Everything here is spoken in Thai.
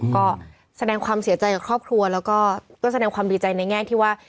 ก็แสดงความเสียใจกับครอบครัวแล้วก็แสดงความดีใจในแง่ที่ว่า